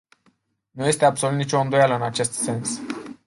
Nu este absolut nicio îndoială în acest sens.